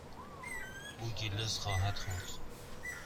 او گیلاس خواهد خورد.